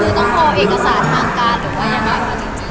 คือต้องรอเอกสารทางการหรือว่ายังไงคะจริง